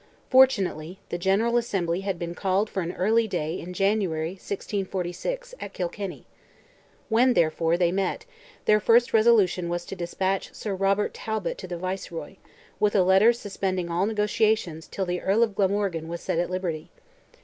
Fortunately, the General Assembly had been called for an early day in January, 1646, at Kilkenny. When, therefore, they met, their first resolution was to despatch Sir Robert Talbot to the Viceroy, with a letter suspending all negotiations till the Earl of Glamorgan was set at liberty.